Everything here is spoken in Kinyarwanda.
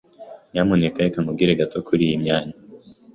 Nyamuneka reka nkubwire gato kuriyi myanya.